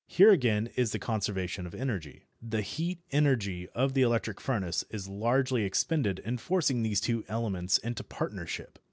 Here again is the conservation of energy. The heat energy of the electric furnace is largely expended in forcing these two elements into partnership.